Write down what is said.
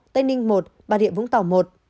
tây ninh một bà địa vũng tàu một